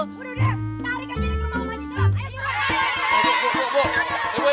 udah udah tarik aja di rumah om haji sulam ayo ayo ayo